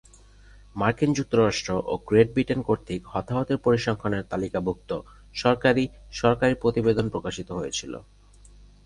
মার্কিন যুক্তরাষ্ট্র ও গ্রেট ব্রিটেন কর্তৃক হতাহতের পরিসংখ্যানের তালিকাভুক্ত সরকারী সরকারী প্রতিবেদন প্রকাশিত হয়েছিল।